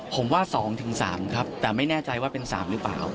ผมว่าสองถึงสามครับแต่ไม่แน่ใจว่าเป็นสามหรือเปล่า